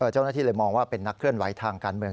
เจ้าหน้าที่เลยมองว่าเป็นนักเคลื่อนไหวทางการเมือง